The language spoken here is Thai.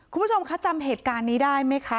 คุณผู้ชมคะจำเหตุการณ์นี้ได้ไหมคะ